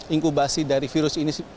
inkubasi dari virus ini sendiri saja